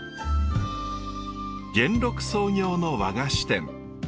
元禄創業の和菓子店。